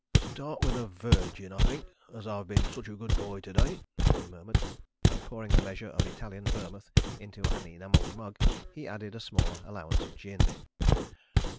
"Start with a Ver Gin, I think, as I've been such a good boy to day," he murmured, and, pouring a measure of Italian vermuth into an enamelled mug, he added a smaller allowance of gin.